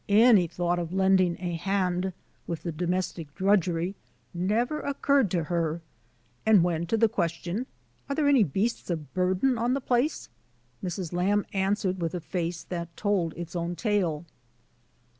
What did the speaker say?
Any thought of lending a hand with the domestic drudgery never occurred to her; and when to the question, "Are there any beasts of burden on the place?" Mrs. Lamb answered, with a face that told its own tale